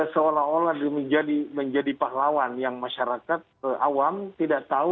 seolah olah menjadi pahlawan yang masyarakat awam tidak tahu